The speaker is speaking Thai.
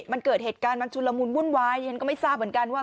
มันเกิดเหตุการณ์มันชุนละมุนวุ่นวายฉันก็ไม่ทราบเหมือนกันว่า